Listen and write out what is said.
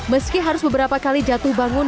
meski harus beberapa kali jatuh bangun